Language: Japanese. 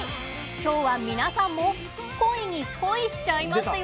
今日は皆さんも「コイ」に「恋」しちゃいますよ！